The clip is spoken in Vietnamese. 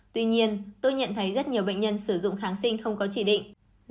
tuy nhiên tôi nhận thấy rất nhiều bệnh nhân sử dụng kháng sinh không có chỉ định